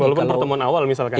walaupun pertemuan awal misalkan